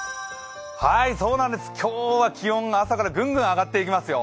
今日は気温、朝からグングン上がっていきますよ。